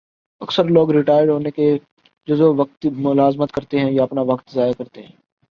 اکثر لوگ ریٹائر ہونے کے بعد جزوقتی ملازمت کرتے ہیں یا اپنا وقت ضائع کرتے ہیں